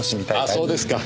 あそうですか。